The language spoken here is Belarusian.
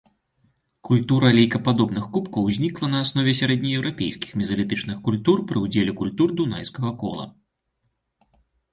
Культура лейкападобных кубкаў ўзнікла на аснове сярэднееўрапейскіх мезалітычных культур пры ўдзеле культур дунайскага кола.